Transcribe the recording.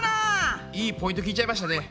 いいポイント聞いちゃいましたね。